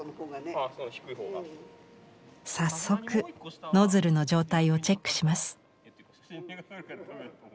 早速ノズルの状態をチェックします。